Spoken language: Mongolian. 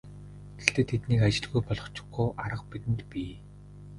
Гэхдээ тэднийг ажилгүй болгочихгүй арга бидэнд бий.